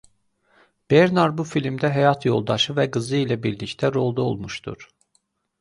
Bernar bu filmdə həyat yoldaşı və qızı ilə birlikdə rolda olmuşdur.